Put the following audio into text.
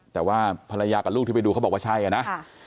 แต่ว่าภรรยากับลูกที่ไปดูเขาบอกว่าใช่นะ